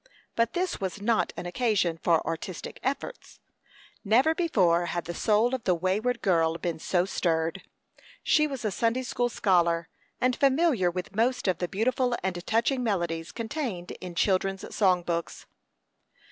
But this was not an occasion for artistic effects. Never before had the soul of the wayward girl been so stirred. She was a Sunday school scholar, and familiar with most of the beautiful and touching melodies contained in children's song books.